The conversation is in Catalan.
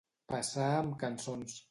Passar amb cançons.